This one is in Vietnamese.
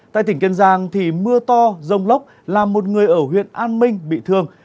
tại tỉnh kiên giang mưa to rông lốc làm một người ở huyện an minh bị thương